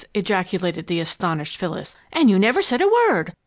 ejaculated the astonished Phyllis. "And you never said a word!